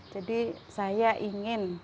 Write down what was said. jadi saya ingin